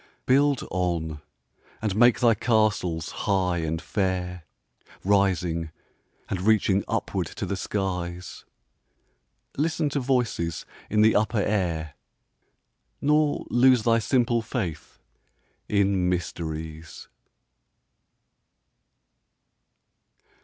Build on, and make thy castles high and fair, Rising and reaching upward to the skies; Listen to voices in the upper air, Nor lose thy simple faith in mysteries.